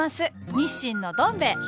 日清のどん兵衛東？